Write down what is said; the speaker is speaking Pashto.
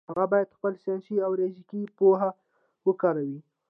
هغه باید خپله ساینسي او ریاضیکي پوهه وکاروي.